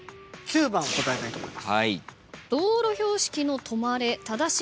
９番答えたいと思います。